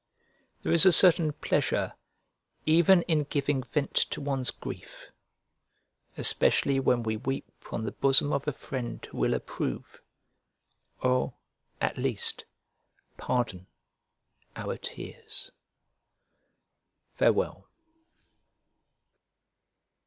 There is a certain pleasure even in giving vent to one's grief; especially when we weep on the bosom of a friend who will approve, or, at least, pardon, our tears. Farewell.